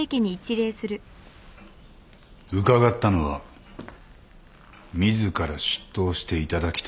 伺ったのは自ら出頭していただきたいからです。